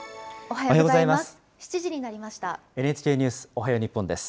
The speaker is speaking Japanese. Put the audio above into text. おはようございます。